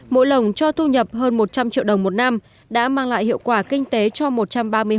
mỗi lồng cho thu nhập hơn một trăm linh triệu đồng một năm đã mang lại hiệu quả kinh tế cho một trăm ba mươi hộ